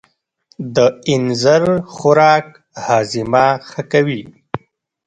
د اینځر خوراک هاضمه ښه کوي.